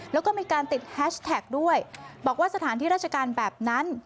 แล้วก็มีการติดแฮชแท็กด้วยบอกว่าสถานที่ราชการแบบนั้น